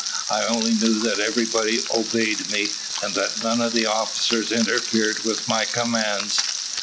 I only knew that everybody obeyed me, and that none of the officers interfered with my commands.